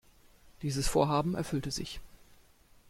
Dieses Vorhaben erfüllte sich.